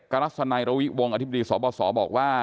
กรัศนายรวิวงอธิบดีสบบอกว่า